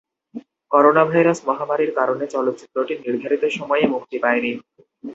Coronavirus মহামারীর কারণে চলচ্চিত্রটি নির্ধারিত সময়ে মুক্তি পায়নি।